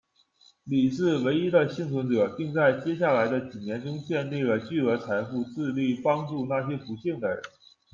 李是唯一的幸存者，并在接下来的几年中建立了巨额财富，致力帮助那些不幸的人。